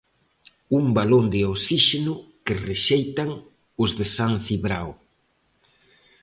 Un balón de osíxeno que rexeitan os de San Cibrao.